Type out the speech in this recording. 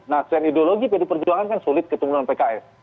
nah sering ideologi pd perjuangan kan sulit ketumbuhan pks